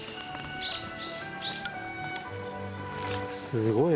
すごい。